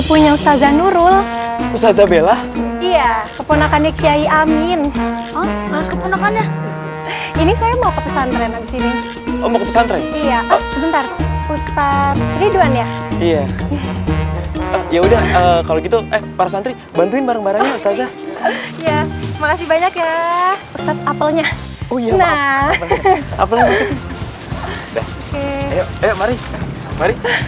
ustaz ustazah assalamualaikum